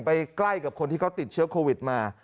ใกล้กับคนที่เขาติดเชื้อโควิดมา